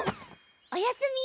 おやすみ。